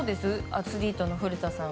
アスリートの古田さん。